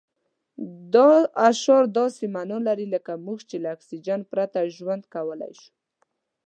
دا شعار داسې مانا لري لکه موږ چې له اکسجن پرته ژوند کولای شو.